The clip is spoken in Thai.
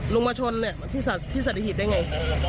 ลุงมาชนอะที่สถิติฮิตได้ไง